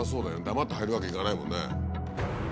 黙って入るわけいかないもんね。